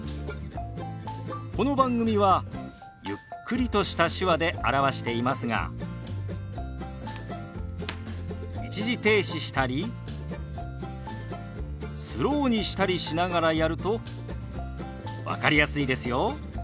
この番組はゆっくりとした手話で表していますが一時停止したりスローにしたりしながらやると分かりやすいですよ。